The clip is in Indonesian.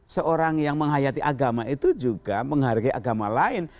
seorang yang menghayati agama itu juga menghargai agama lain